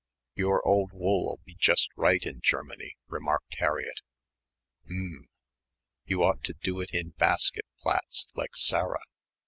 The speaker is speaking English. "Your old wool'll be just right in Germany," remarked Harriett. "Mm." "You ought to do it in basket plaits like Sarah."